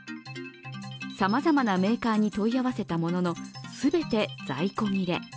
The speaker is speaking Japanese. さまざまなメーカーに問い合わせたものの、全て在庫切れ。